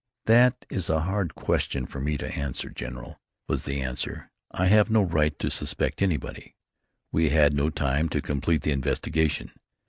"That is a hard question for me to answer, General," was the answer. "I have no right to suspect anybody. We had no time to complete the investigation.